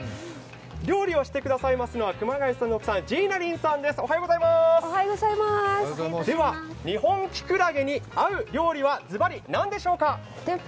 料理をしてくださいますのは熊谷さんの奥さん、ジーナリンさんですでは日本きくらげに合う料理はなんでしょうか。